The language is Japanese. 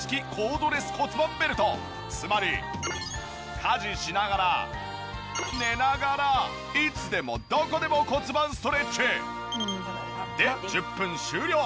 つまり家事しながら寝ながらいつでもどこでも骨盤ストレッチ！で１０分終了。